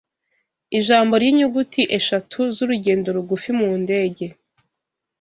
Ijambo ry'inyuguti eshatu z'urugendo rugufi mu ndege